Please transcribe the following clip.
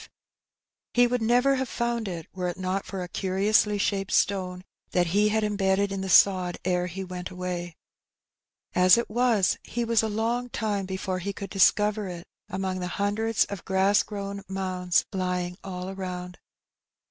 He would never have found it, were it not for a curiously shaped stone that he had embedded in the sod ere he went away. As it was, he was a long time before he could discover it among the hundreds of grass grown mounds lying all around it.